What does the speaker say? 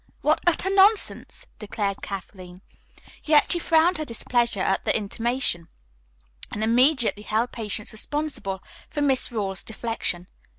"What utter nonsense," declared Kathleen. Yet she frowned her displeasure at the intimation, and immediately held Patience responsible for Miss Rawle's deflection.